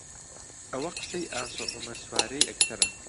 ئەوە قسەی ئاسۆ عومەر سوارەی ئەکتەرە